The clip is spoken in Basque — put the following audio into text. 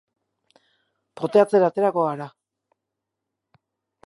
Poteatzera aterako gara.